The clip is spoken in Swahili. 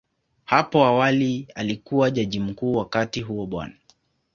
Hapo awali alikuwa Jaji Mkuu, wakati huo Bw.